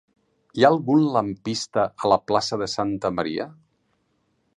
Hi ha algun lampista a la plaça de Santa Maria?